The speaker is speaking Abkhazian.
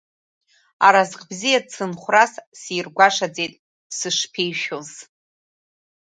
Аразҟ бзиа ацынхәрас, сиргәашаӡеит сышԥишәоз…